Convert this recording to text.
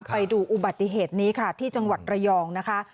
ไปดูอุบัติเหตุนี้ค่ะที่จังหวัดระยองนะคะ